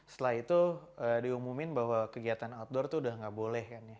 setelah itu diumumin bahwa kegiatan outdoor itu udah nggak boleh